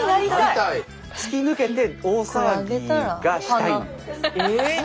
突き抜けて大騒ぎがしたいんです。